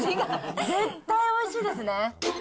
絶対おいしいですね。